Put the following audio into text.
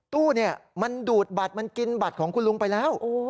ตู้เนี่ยมันดูดบัตรมันกินบัตรของคุณลุงไปแล้ว